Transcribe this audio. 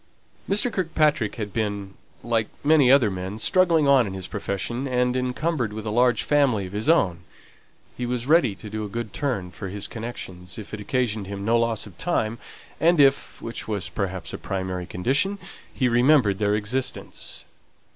Mr. Kirkpatrick had been, like many other men, struggling on in his profession, and encumbered with a large family of his own; he was ready to do a good turn for his connections, if it occasioned him no loss of time, and if (which was, perhaps, a primary condition) he remembered their existence.